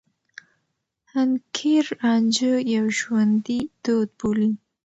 حنکير رانجه يو ژوندي دود بولي.